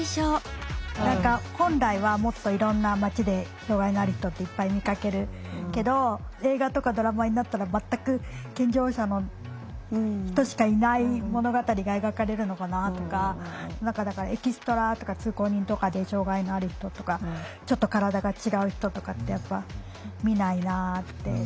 何か本来はもっといろんな街で障害のある人っていっぱい見かけるけど映画とかドラマになったら全く健常者の人しかいない物語が描かれるのかなとか何かだからエキストラとか通行人とかで障害のある人とかちょっと体が違う人とかってやっぱ見ないなって。